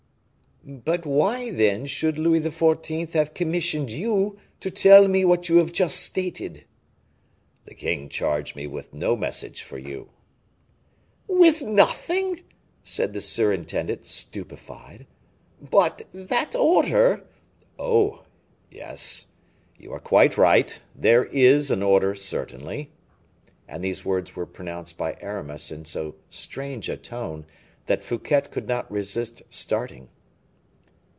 "But why, then, should Louis XIV. have commissioned you to tell me what you have just stated?" "The king charged me with no message for you." "With nothing!" said the superintendent, stupefied. "But, that order " "Oh! yes. You are quite right. There is an order, certainly;" and these words were pronounced by Aramis in so strange a tone, that Fouquet could not resist starting.